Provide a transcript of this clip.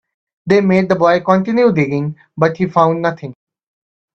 They made the boy continue digging, but he found nothing.